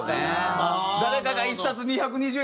誰かが１冊２２０円